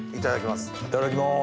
いただきます。